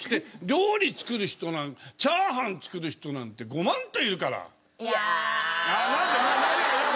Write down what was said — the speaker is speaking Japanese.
料理作る人チャーハン作る人なんてごまんといるから！